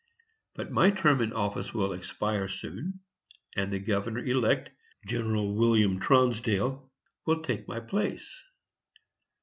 But my term of office will expire soon, and the governor elect, Gen. William Tronsdale, will take my place.